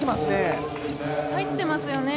入ってますね。